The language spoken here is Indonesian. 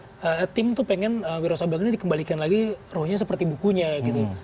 jadi saya pengen dikembalikan lagi rohnya seperti bukunya gitu jadi saya pengen dikembalikan lagi rohnya seperti bukunya gitu